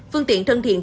phương tiện thân thiện